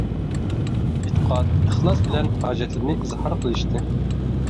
ئېتىقاد، ئىخلاس بىلەن ھاجەتلىرىنى ئىزھار قىلىشتى.